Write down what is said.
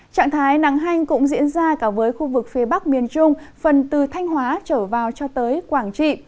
trạng thái nắng hanh cũng diễn ra cả với khu vực phía bắc miền trung phần từ thanh hóa trở vào cho tới quảng trị